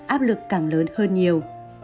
áp lực càng lớn hơn nhiều